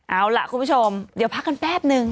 เอาล่ะคุณผู้ชมเดี๋ยวพักกันแป๊บนึง